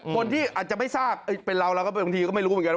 คนที่อาจจะไม่ทราบเป็นเราแล้วก็บางทีก็ไม่รู้เหมือนกัน